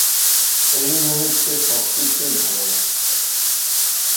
এই মূহুর্তে সবকিছুই ভালো লাগছে।